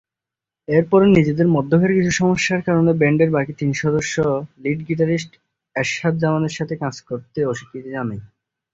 এরপরে নিজেদের মধ্যকার কিছু সমস্যার কারণে ব্যান্ডের বাকি তিন সদস্য লিড গিটারিস্ট এরশাদ জামানের সাথে কাজ করতে অস্বীকৃতি জানায়।